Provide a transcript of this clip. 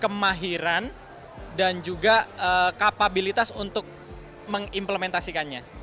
kemahiran dan juga kapabilitas untuk mengimplementasikannya